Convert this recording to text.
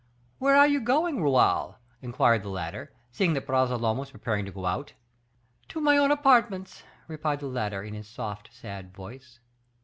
"Where are you going, Raoul?" inquired the latter, seeing that Bragelonne was preparing to go out. "To my own apartments," replied the latter, in his soft, sad voice.